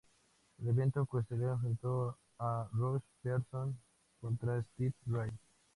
El evento coestelar enfrentó a Ross Pearson contra Stevie Ray.